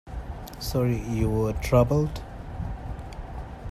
Sorry you were troubled.